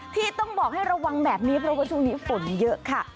ที่ต้องบอกให้ระวังแบบนี้เพราะว่าช่วงนี้ฝนเยอะค่ะ